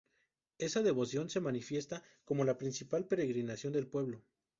Esa devoción se manifiesta como la principal peregrinación del pueblo.